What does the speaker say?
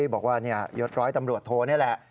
บอกว่ายศร้อยตำรวจโทนี่แหละ